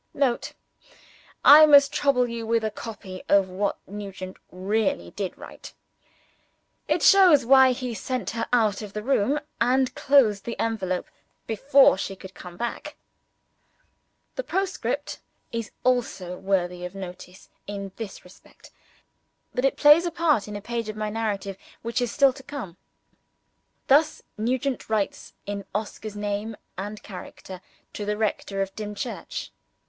[Note. I must trouble you with a copy of what Nugent really did write. It shows why he sent her out of the room, and closed the envelope before she could come back. The postscript is also worthy of notice, in this respect that it plays a part in a page of my narrative which is still to come. Thus Nugent writes, in Oscar's name and character, to the rector of Dimchurch.